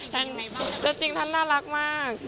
ตัวจริงท่านน่ารักมาก